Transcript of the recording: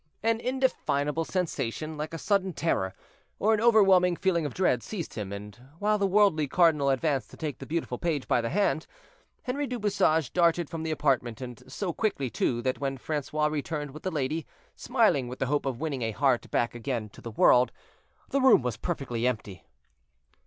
An indefinable sensation, like a sudden terror, or an overwhelming feeling of dread, seized him, and while the worldly cardinal advanced to take the beautiful page by the hand, Henri du Bouchage darted from the apartment, and so quickly, too, that when Francois returned with the lady, smiling with the hope of winning a heart back again to the world, the room was perfectly empty.